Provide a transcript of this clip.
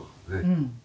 うん。